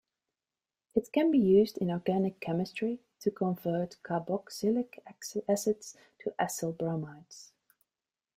It can be used in organic chemistry to convert carboxylic acids to acyl bromides.